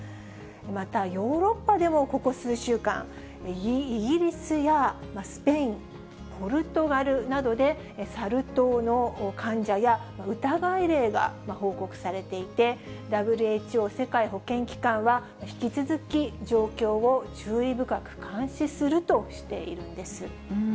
また、ヨーロッパでもここ数週間、イギリスやスペイン、ポルトガルなどで、サル痘の患者や疑い例が報告されていて、ＷＨＯ・世界保健機関は、引き続き、状況を注意深く監視するとしているんです。